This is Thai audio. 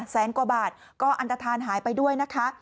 แสนกว่าบาทก็อันตฐานหายไปด้วยนะคะ